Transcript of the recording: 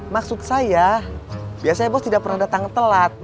maksud saya biasanya bos tidak pernah datang telat